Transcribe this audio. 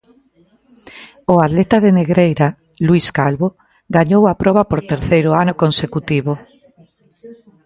O atleta de Negreira, Luís Calvo, gañou a proba por terceiro ano consecutivo.